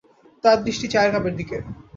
তাঁর দৃষ্টি চায়ের কাপের দিকে।